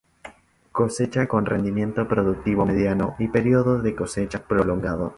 Cosecha con rendimiento productivo mediano, y periodo de cosecha prolongado.